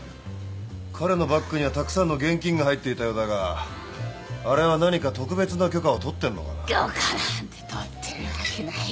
彼のバッグにはたくさんの現金が入っていたようだがあれは何か特別な許可を取ってるのかな？